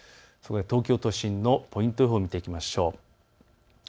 東京都心のポイント予報を見ていきましょう。